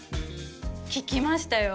聞きましたよ